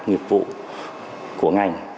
nghiệp vụ của ngành